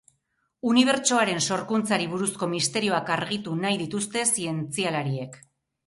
Unibertsoaren sorkuntzari buruzko misterioak argitu nahi dituzte zientzialariek.